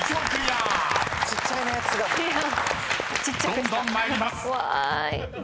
［どんどん参ります。